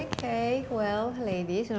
oke baiklah perempuan